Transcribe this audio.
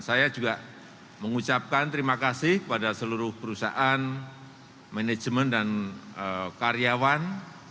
saya juga mengucapkan terima kasih kepada seluruh perusahaan manajemen dan karyawan